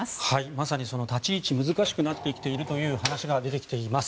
まさにその立ち位置難しくなってきているという話が出てきています。